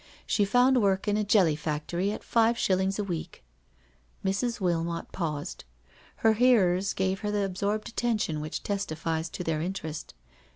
She found work in a jelly factory at five shillings a week.*' Mrs. Wilmot paused. Her hearers gave her the absorbed attention which testifies to their interest.